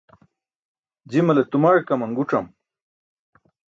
Jimale tumaẏ kaman guc̣am.